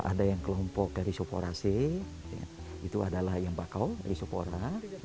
ada yang kelompok erisoporasi itu adalah yang bakau dari sopora